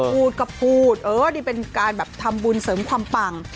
พูดก็พูดเออนี่เป็นการแบบทำบุญเสริมความปัง